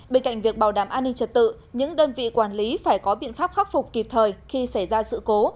bên cạnh việc bảo đảm an ninh trật tự những đơn vị quản lý phải có biện pháp khắc phục kịp thời khi xảy ra sự cố